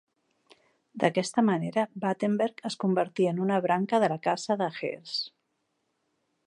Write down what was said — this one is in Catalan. D'aquesta manera, Battenberg es convertí en una branca de la casa de Hesse.